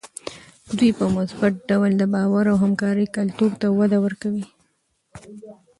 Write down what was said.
دوی په مثبت ډول د باور او همکارۍ کلتور ته وده ورکوي.